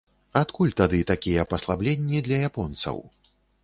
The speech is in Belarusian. Адкуль тады такія паслабленні для японцаў?